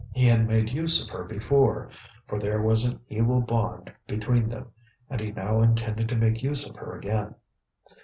He had made use of her before, for there was an evil bond between them, and he now intended to make use of her again.